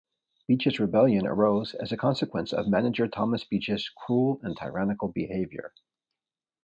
Beach's Rebellion arose as a consequence of manager Thomas Beach's "cruel and tyrannical" behaviour.